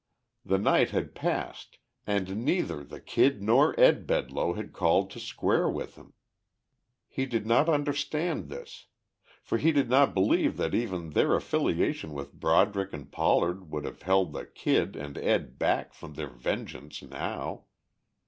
The night had passed and neither the Kid nor Ed Bedloe had called to square with him. He did not understand this. For he did not believe that even their affiliation with Broderick and Pollard would have held the Kid and Ed back from their vengeance now.